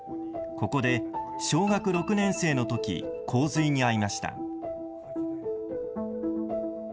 ここで小学６年生のとき洪水に遭いました。